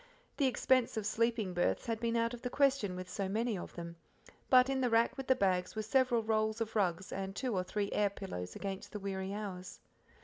The expense of sleeping berths had been out of the question with so many of them; but in the rack with the bags were several rolls of rugs and two or three air pillows against the weary hours.